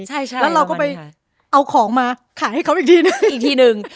ใช่แล้วเราก็ไปเอาของมาขายให้เขาอีกทีนึงอีกทีหนึ่ง